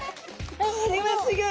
これはすギョい！